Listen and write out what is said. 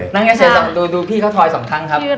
ห้าที่ไหนเกิดอีกครับโรงพยาบาล